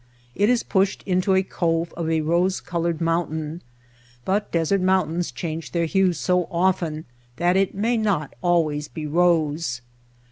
It is pushed into a cove of a rose colored mountain — but desert mountains change their hues so often that it may not always be rose.